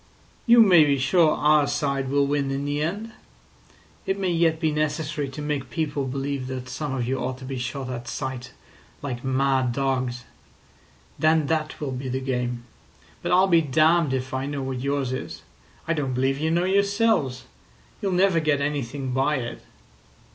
"You may be sure our side will win in the end. It may yet be necessary to make people believe that some of you ought to be shot at sight like mad dogs. Then that will be the game. But I'll be damned if I know what yours is. I don't believe you know yourselves. You'll never get anything by it."